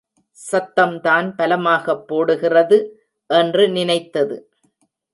சத்தம்தான் பலமாகப் போடுகிறது என்று நினைத்தது.